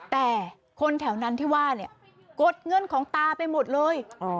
แต่คนแถวนั้นที่ว่าเนี่ยกดเงินของตาไปหมดเลย